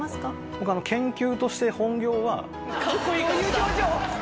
僕研究として本業は。かっこいい顔した。